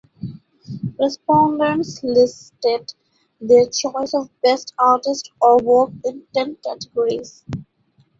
Respondents listed their choice of best artist or work in ten categories.